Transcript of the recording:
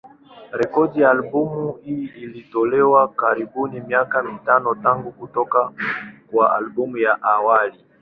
Rekodi ya albamu hii ilitolewa karibuni miaka mitano tangu kutoka kwa albamu ya awali.